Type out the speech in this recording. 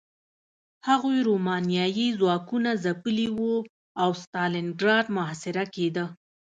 هغوی رومانیايي ځواکونه ځپلي وو او ستالینګراډ محاصره کېده